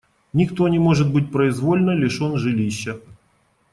Никто не может быть произвольно лишен жилища.